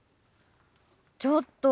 ちょっと！